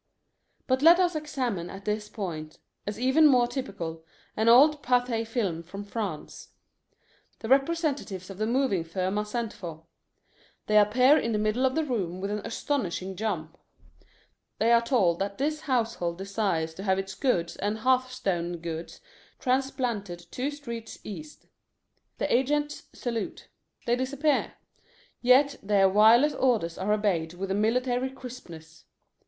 But let us examine at this point, as even more typical, an old Pathé Film from France. The representatives of the moving firm are sent for. They appear in the middle of the room with an astonishing jump. They are told that this household desires to have its goods and hearthstone gods transplanted two streets east. The agents salute. They disappear. Yet their wireless orders are obeyed with a military crispness.